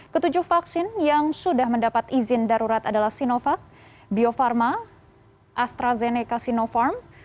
ketujuh vaksin yang sudah mendapat izin darurat adalah sinovac bio farma astrazeneca sinopharm